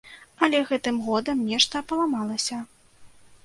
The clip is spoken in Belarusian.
Але гэтым годам нешта паламалася.